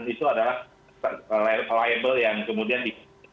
itu adalah liable yang kemudian di